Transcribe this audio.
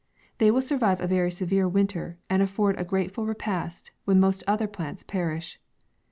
They will survive a very severe winter, and afford a grateful repast, when most other plants perish.